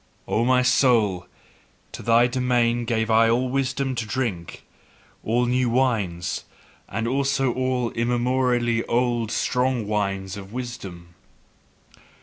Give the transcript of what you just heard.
O my soul, to thy domain gave I all wisdom to drink, all new wines, and also all immemorially old strong wines of wisdom.